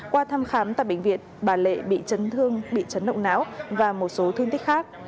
qua thăm khám tại bệnh viện bà lệ bị chấn thương bị chấn động não và một số thương tích khác